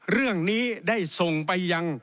เรื่องนี้ได้ส่งไปยัง